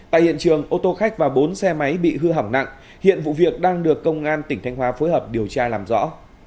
tại hiện trường ô tô khách và bốn xe máy bị hư hỏng nặng hiện vụ việc đang được công an tỉnh thanh hóa phối hợp điều tra làm rõ